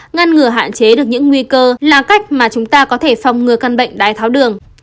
ngăn ngừa hạn chế được những nguy cơ là cách mà chúng ta có thể phòng ngừa căn bệnh đái tháo đường